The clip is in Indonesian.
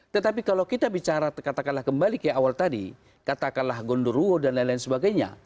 tetapi kalau kita bicara katakanlah kembali ke awal tadi katakanlah gondoruo dan lain lain sebagainya